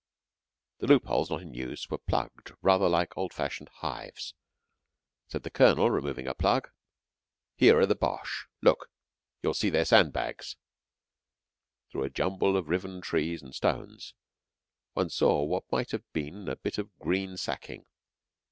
The loopholes not in use were plugged rather like old fashioned hives. Said the Colonel, removing a plug: "Here are the Boches. Look, and you'll see their sandbags." Through the jumble of riven trees and stones one saw what might have been a bit of green sacking.